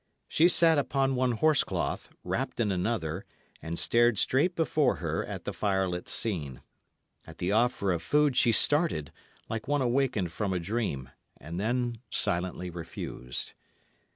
She sat upon one horse cloth, wrapped in another, and stared straight before her at the firelit scene. At the offer of food she started, like one wakened from a dream, and then silently refused.